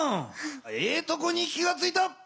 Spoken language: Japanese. ええとこに気がついた。